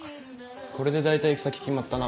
これで大体行き先決まったな。